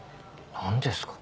何ですか？